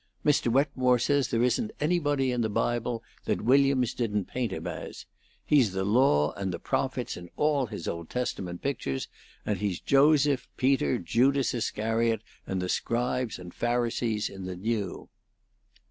Mr. Wetmore says there isn't anybody in the Bible that Williams didn't paint him as. He's the Law and the Prophets in all his Old Testament pictures, and he's Joseph, Peter, Judas Iscariot, and the Scribes and Pharisees in the New."